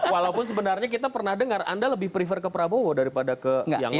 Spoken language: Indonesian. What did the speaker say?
walaupun sebenarnya kita pernah dengar anda lebih prefer ke prabowo daripada ke yang lain